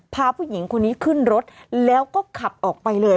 พาผู้หญิงคนนี้ขึ้นรถแล้วก็ขับออกไปเลย